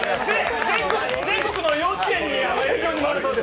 全国の幼稚園に営業に回るそうです。